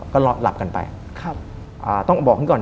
ก็หลับกันไปครับต้องบอกนี้ก่อน